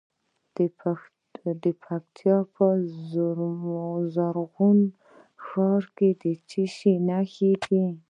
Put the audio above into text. د پکتیکا په زرغون شهر کې د څه شي نښې دي؟